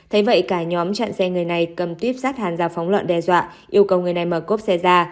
thế vậy cả nhóm chặn xe người này cầm tuyếp sát hàn dao phóng lợn đe dọa yêu cầu người này mở cốp xe ra